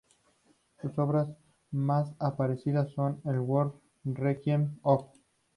Sus obras más apreciadas son "A World Requiem" op.